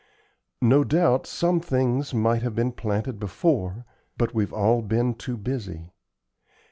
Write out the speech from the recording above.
No doubt, some things might have been planted before, but we've all been too busy.